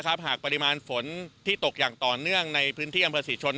ได้จัดเตรียมความช่วยเหลือประบบพิเศษสี่ชน